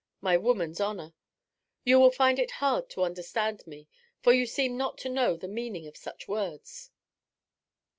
my woman's honour. You will find it hard to understand me, for you seem not to know the meaning of such words.'